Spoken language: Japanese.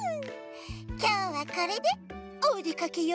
きょうはこれでおでかけよ！